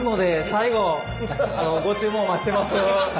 最後ご注文お待ちしてます。